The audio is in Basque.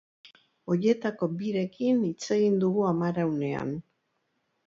Horietako birekin hitzegin dugu amaraunean.